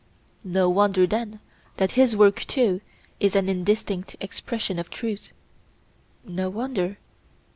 No wonder, then, that his work too is an indistinct expression of truth. No wonder.